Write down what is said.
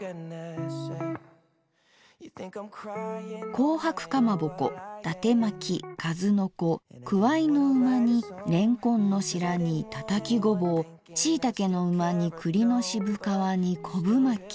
紅白かまぼこ伊達まきかずのこくわいの旨煮れんこんの白煮たたきごぼうしいたけのうま煮栗の渋皮煮こぶまき。